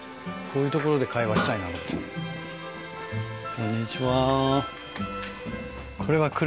こんにちは。